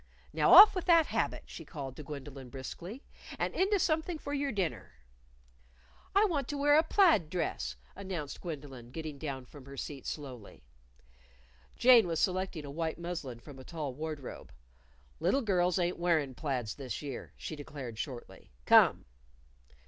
"Now off with that habit," she called to Gwendolyn briskly. "And into something for your dinner." "I want to wear a plaid dress," announced Gwendolyn, getting down from her seat slowly. Jane was selecting a white muslin from a tall wardrobe. "Little girls ain't wearin' plaids this year," she declared shortly. "Come."